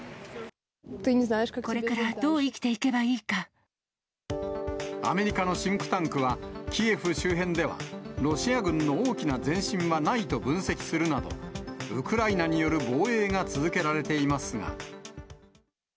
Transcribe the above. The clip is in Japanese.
これからどう生きていけばいアメリカのシンクタンクは、キエフ周辺では、ロシア軍の大きな前進はないと分析するなど、ウクライナによる防衛が続けられていますが。